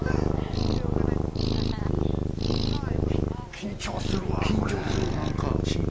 緊張するわ。